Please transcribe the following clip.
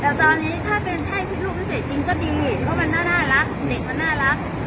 แต่ตอนนี้ถ้าเป็นแค่คิดลูกพิเศษจริงก็ดีเพราะมันน่ารักเด็กมันน่ารัก